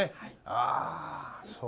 ああそうか。